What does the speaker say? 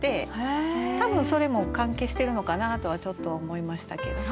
多分それも関係してるのかなとはちょっと思いましたけども。